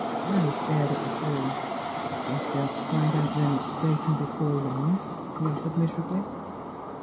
Harry stared at the floor. " I guess they'll find out they're mistaken be fore long," he offered miserably.